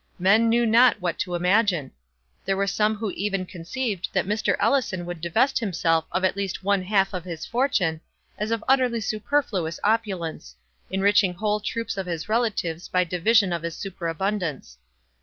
Men knew not what to imagine. There were some who even conceived that Mr. Ellison would divest himself of at least one half of his fortune, as of utterly superfluous opulence—enriching whole troops of his relatives by division of his superabundance.